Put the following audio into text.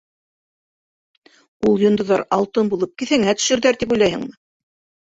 — Ул йондоҙҙар алтын булып кеҫәңә төшөрҙәр, тип уйлайһыңмы?